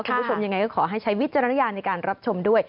คุณผู้ชมยังไงก็ขอให้ใช้วิจารณญาณในการรับชมด้วย